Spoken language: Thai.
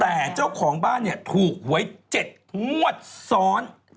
แต่เจ้าของบ้านถูกไว้เจ็ดงวดซ้อน